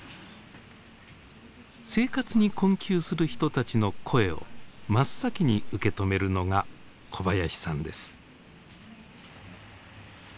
生活に困窮する人たちの声を真っ先に受け止めるのが小林さんです。